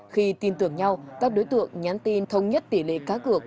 khi tin tưởng nhau các đối tượng nhắn tin thông nhất tỷ lệ cá cược